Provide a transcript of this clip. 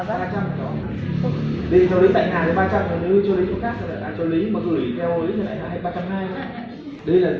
đây cho đến đại hà thì ba trăm linh nếu cho đến chỗ khác thì đã cho lý mà gửi theo lý thì lại là ba trăm hai mươi